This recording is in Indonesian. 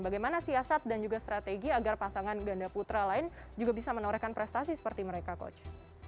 bagaimana siasat dan juga strategi agar pasangan ganda putra lain juga bisa menorehkan prestasi seperti mereka coach